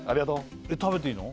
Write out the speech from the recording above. えっ食べていいの？